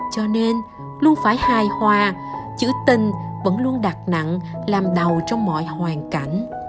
cho nên luôn phải hài hoa chữ tình vẫn luôn đặt nặng làm đầu trong mọi hoàn cảnh